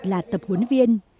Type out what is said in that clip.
là tập huấn viên